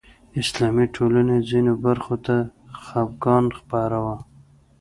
اسلامي ټولنې ځینو برخو ته خپګان خبره وه